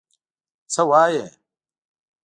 څه وایې؟